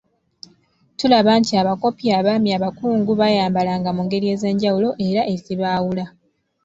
Tulaba nti, abakopi, abaami, abakungu, bayambalanga mu ngeri ez‘enjawulo era ezibaawula.